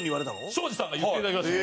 庄司さんが言っていただきました。